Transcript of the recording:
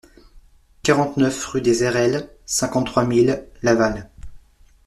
quarante-neuf rue des Ayrelles, cinquante-trois mille Laval